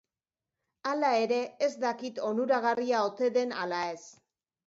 Hala ere, ez dakit onuragarria ote den ala ez.